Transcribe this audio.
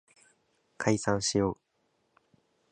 解散しよう